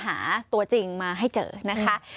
หาตัวจริงมาให้เจอนะคะ